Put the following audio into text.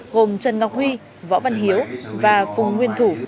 gồm trần ngọc huy võ văn hiếu và phùng nguyên thủ